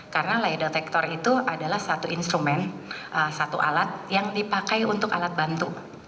karena lay detector itu adalah satu instrumen satu alat yang dipakai untuk alat bantu